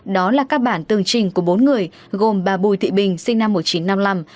đó là các bản tường trình của bốn người gồm bà bùi thị bình sinh năm một nghìn chín trăm năm mươi năm